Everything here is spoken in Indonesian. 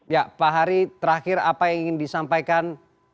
ya pak hari terakhir apa yang ingin disampaikan